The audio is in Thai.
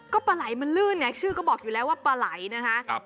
ก็ปลาไหลมันลื่นไงชื่อก็บอกอยู่แล้วว่าปลาไหลนะคะ